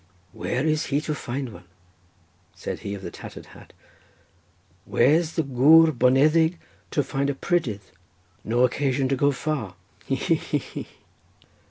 "Where is he to find one?" said he of the tattered hat; "where's the gwr boneddig to find a prydydd? No occasion to go far, he, he, he."